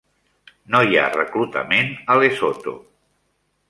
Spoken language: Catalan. No hi ha reclutament a Lesotho.